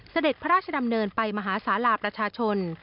เสด็จพระราชดำเนินไปมหาศาลาประชาชน